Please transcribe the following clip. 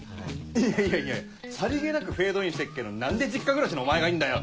いやいやさりげなくフェードインしてっけど何で実家暮らしのお前がいんだよ！